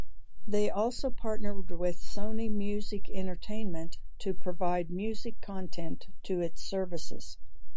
They also partnered with Sony Music Entertainment to provide music content to its services.